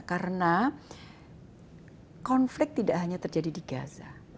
karena konflik tidak hanya terjadi di gaza